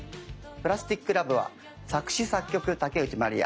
「プラスティック・ラブ」は作詞・作曲竹内まりや。